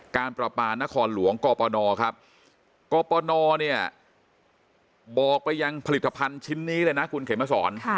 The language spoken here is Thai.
การประปานครหลวงกปนครับกปนเนี่ยบอกไปยังผลิตภัณฑ์ชิ้นนี้เลยนะคุณเขมสอน